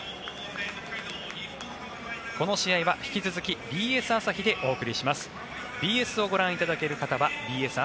この試合は引き続きＢＳ朝日でご覧いただけます。